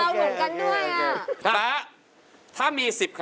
ก็ไม่มีอ่ะ